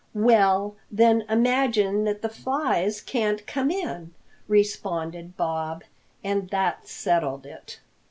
"Well, then imagine that the flies can't come in," responded Bob. And that settled it.